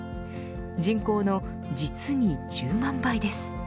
人口の実に１０万倍です。